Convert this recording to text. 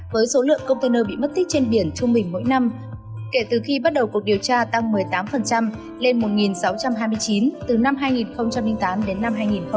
với số lượng container bị mất tích trên biển trung bình mỗi năm kể từ khi bắt đầu cuộc điều tra tăng một mươi tám lên một sáu trăm hai mươi chín từ năm hai nghìn tám đến năm hai nghìn một mươi ba